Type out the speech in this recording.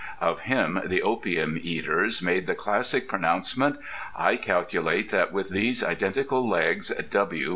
Of him the Opium Eater made the classic pronouncement: "I calculate that with these identical legs W.